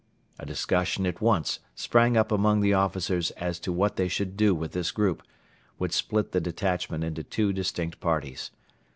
A discussion at once sprang up among the officers as to what they should do with this group, which split the detachment into two distinct parties.